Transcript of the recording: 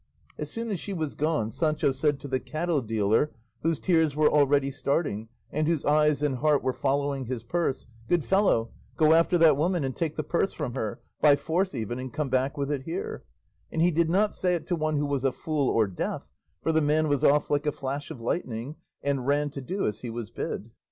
As soon as she was gone Sancho said to the cattle dealer, whose tears were already starting and whose eyes and heart were following his purse, "Good fellow, go after that woman and take the purse from her, by force even, and come back with it here;" and he did not say it to one who was a fool or deaf, for the man was off like a flash of lightning, and ran to do as he was bid.